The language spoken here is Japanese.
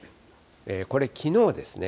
これきのうですね。